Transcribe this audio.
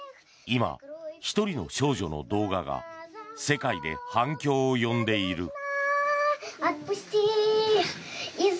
今、１人の少女の動画が世界で反響を呼んでいる。